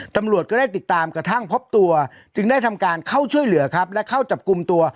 ตำรวจก็ได้ติดตามกระทั่งพบตัวจึงได้ทำการเข้าช่วยเหลือครับและเข้าจับกลุ่มตัว